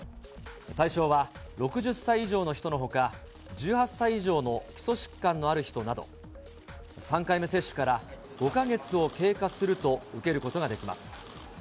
対象は６０歳以上の人のほか、１８歳以上の基礎疾患のある人など、３回目接種から５か月を経過すると受けることができます。